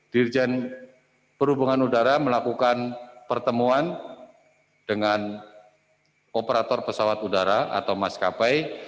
dirjen perhubungan udara melakukan pertemuan dengan operator pesawat udara atau maskapai